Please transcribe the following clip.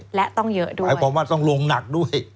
หมายความว่าต้องลงหนักด้วย